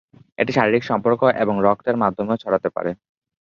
এটি শারীরিক সম্পর্ক এবং রক্তের মাধ্যমেও ছড়াতে পারে।